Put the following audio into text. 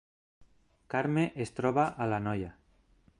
Carme es troba a l’Anoia